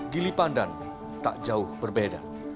gili pandan tak jauh berbeda